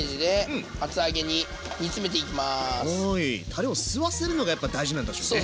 たれを吸わせるのがやっぱ大事なんでしょうね。